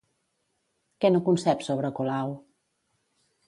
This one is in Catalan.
Què no concep sobre Colau?